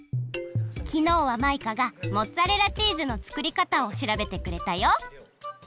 きのうはマイカがモッツァレラチーズの作りかたをしらべてくれたよ！